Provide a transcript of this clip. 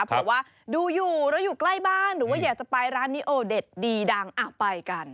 เพราะว่าดูอยู่แล้วอยู่ใกล้บ้านหรือว่าอยากจะไปร้านนี้โอเด็ดดีดังไปกัน